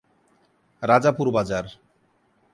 রাজাপুর বাজার।